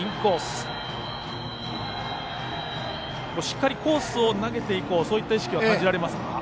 しっかりコースに投げていこうという意識は感じられますか？